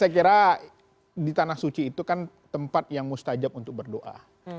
saya kira di tanah suci itu kan tempat yang mustajab untuk berdoa